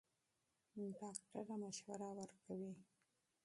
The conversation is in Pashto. ډاکټره مشوره ورکوي.